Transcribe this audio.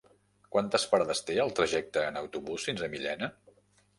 Quantes parades té el trajecte en autobús fins a Millena?